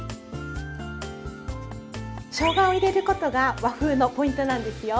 しょうがを入れることが和風のポイントなんですよ。